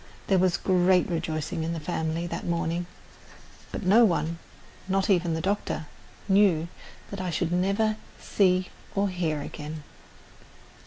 There was great rejoicing in the family that morning, but no one, not even the doctor, knew that I should never see or hear again.